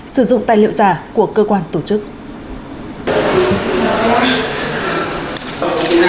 sử dụng tài liệu giả của cơ quan tổ chức